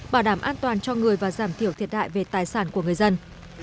bảo đảm an toàn cho người và giảm thiểu thiệt hại về tài sản của người dân